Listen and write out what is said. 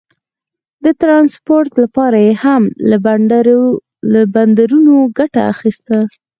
د ټرانسپورټ لپاره یې هم له بندرونو ګټه اخیسته.